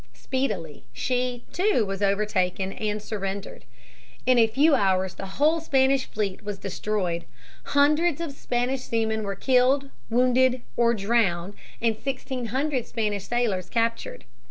Speedily, she, too, was overtaken and surrendered. In a few hours the whole Spanish fleet was destroyed; hundreds of Spanish seamen were killed, wounded, or drowned, and sixteen hundred Spanish sailors captured.